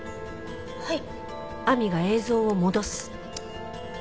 はい。